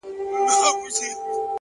د انسان ځواک په صبر کې پټ دی،